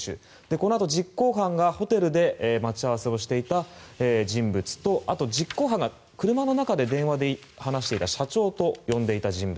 このあと実行犯がホテルで待ち合わせをしていた人物とあと実行犯が車の中で電話で話していた社長と呼んでいた人物。